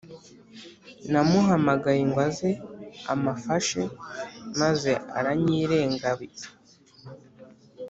namuhamagaye ngo aze amafashe maze aranyirengabiza